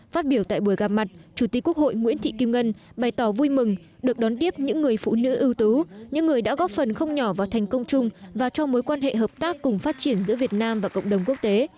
phát biểu tại buổi gặp mặt chủ tịch quốc hội nguyễn thị kim ngân bày tỏ vui mừng được đón tiếp những người phụ nữ ưu tú những người đã góp phần không nhỏ vào thành công chung và trong mối quan hệ hợp tác cùng phát triển giữa việt nam và cộng đồng quốc tế